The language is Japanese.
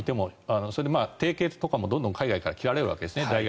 提携とかどんどん海外から切られるわけですね。